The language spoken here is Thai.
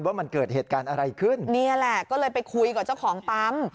ว่ามันเกิดเหตุการณ์อะไรขึ้นนี่แหละก็เลยไปคุยกับเจ้าของปั๊ม